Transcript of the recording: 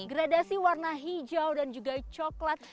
gradasi warna hijau dan juga coklat